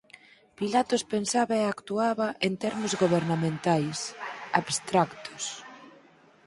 Pilatos pensaba e actuaba en termos gobernamentais, abstractos.